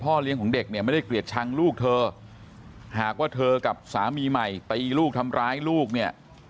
เลี้ยงของเด็กเนี่ยไม่ได้เกลียดชังลูกเธอหากว่าเธอกับสามีใหม่ตีลูกทำร้ายลูกเนี่ย